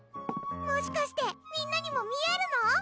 もしかしてみんなにも見えるの？